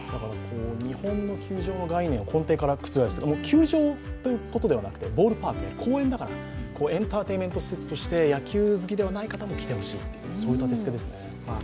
日本の球場の概念を根底から覆す、球場ということではなくてボールパーク、公園だからエンターテインメント施設として野球好きでない方にも来てほしいという立て付けです。